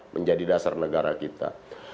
menjadi dasar negara kita